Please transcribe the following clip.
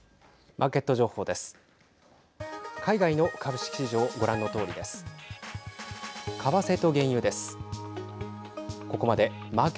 マーケット情報です。